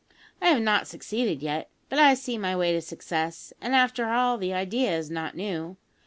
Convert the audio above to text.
I have not succeeded yet, but I see my way to success; and, after all, the idea is not new.